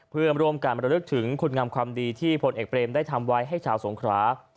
เพื่อร่วมการบรรลึกถึงคุณงามความดีที่พลเอกเบรมได้ทำไว้ให้ชาวสงครา